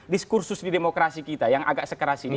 diskursus di demokrasi kita yang agak sekeras ini